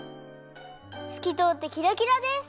すきとおってキラキラです！